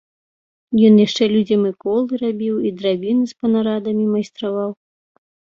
Ён яшчэ людзям і колы рабіў, і драбіны з панарадамі майстраваў.